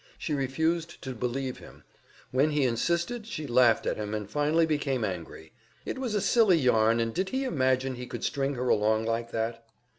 She refused to believe him; when he insisted, she laughed at him, and finally became angry. It was a silly yarn, and did he imagine he could string her along like that?